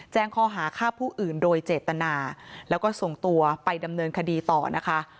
แจ้งข้อหาฆ่าผู้อื่นโดยเจตนาแล้วก็ส่งตัวไปดำเนินคดีต่อนะคะ